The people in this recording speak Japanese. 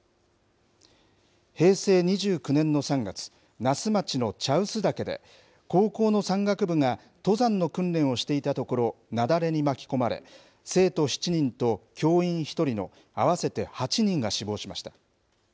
平成２９年の３月、那須町の茶臼岳で、高校の山岳部が登山の訓練をしていたところ、雪崩に巻き込まれ、生徒７人と教員１人の合わせて８人が死亡しました。